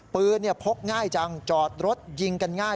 พกง่ายจังจอดรถยิงกันง่าย